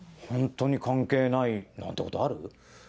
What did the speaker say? ホントに関係ないなんてことある？